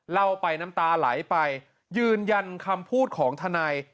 เล่าไปน้ำตาไหลไปยืนยันคำพูดของทนาย